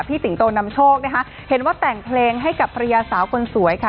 สิงโตนำโชคนะคะเห็นว่าแต่งเพลงให้กับภรรยาสาวคนสวยค่ะ